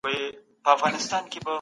د تولیدي ځواکونو وده د هېواد په ګټه ده.